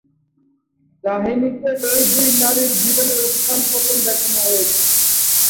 কাহিনীতে এই দুই নারীর জীবনের উত্থান-পতন দেখানো হয়েছে।।